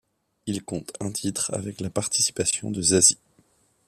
Il compte un titre avec la participation de Zazie.